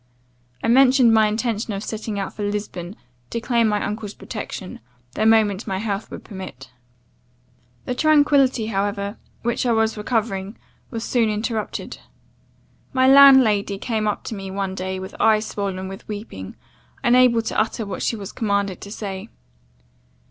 I mentioned my intention of setting out for Lisbon, to claim my uncle's protection, the moment my health would permit.' "The tranquillity however, which I was recovering, was soon interrupted. My landlady came up to me one day, with eyes swollen with weeping, unable to utter what she was commanded to say.